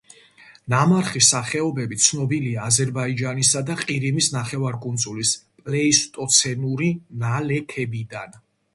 ნამარხი სახეობები ცნობილია აზერბაიჯანისა და ყირიმის ნახევარკუნძულის პლეისტოცენური ნალექებიდან.